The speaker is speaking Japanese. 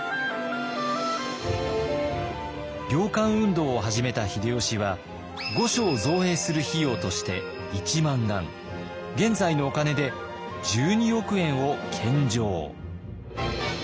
猟官運動を始めた秀吉は御所を造営する費用として１万貫現在のお金で１２億円を献上。